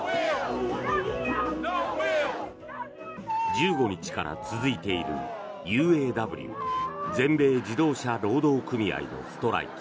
１５日から続いているＵＡＷ・全米自動車労働組合のストライキ。